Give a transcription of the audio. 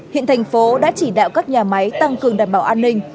hiện thành phố đã chỉ đạo các nhà máy tăng cường đảm bảo an ninh